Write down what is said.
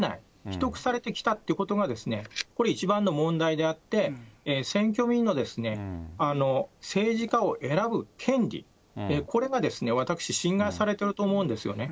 秘匿されてきたということが、これ、一番の問題であって、選挙民の政治家を選ぶ権利、これが私、侵害されていると思うんですよね。